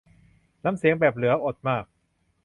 น้ำเสียงแบบเหลืออดมาก